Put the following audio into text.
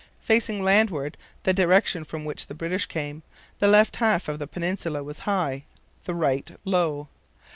Facing landward, the direction from which the British came, the left half of the peninsula was high, the right low.